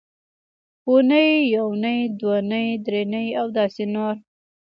اونۍ یونۍ دونۍ درېنۍ او داسې نور